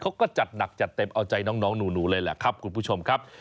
เขาก็จัดหนักจัดเต็มเอาใจน้องหนูเลยแหละครับคุณผู้ชมครับ